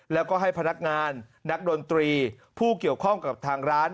แล้วก็ให้พนักงานนักดนตรีผู้เกี่ยวข้องกับทางร้าน